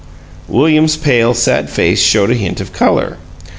William's pale, sad face showed a hint of color.